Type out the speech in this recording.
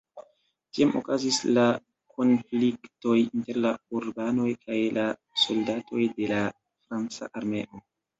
Tiam okazis la konfliktoj inter la urbanoj kaj la soldatoj de la franca armeo.